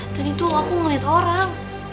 tadi tuh aku ngeliat orang